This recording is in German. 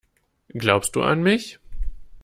Glaubst du an mich?